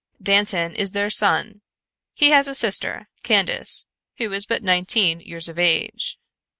Dantan is their son. He has a sister Candace, who is but nineteen years of age."